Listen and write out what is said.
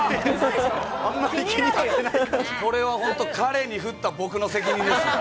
これは本当、彼に振った僕の責任です。